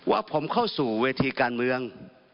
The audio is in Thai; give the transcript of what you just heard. ว่าผมเข้าสู่เวทีการเมือง